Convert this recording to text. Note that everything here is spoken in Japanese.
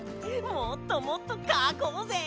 もっともっとかこうぜ！